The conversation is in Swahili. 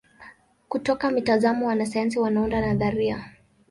Kutoka mitazamo wanasayansi wanaunda nadharia.